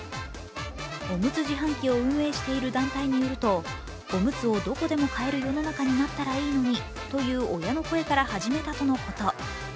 おむつ自販機を運営している団体によると、おむつをどこでも買える世の中になったらいいのにという親の声から始めたとのこと。